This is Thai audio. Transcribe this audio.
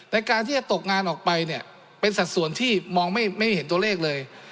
ในการที่จะตกงานออกไปเนี่ยเป็นสัดส่วนที่มองไม่เห็นตัวเลขเลย